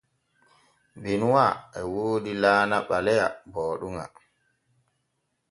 Benuwa e woodi laana ɓaleya booɗuŋa.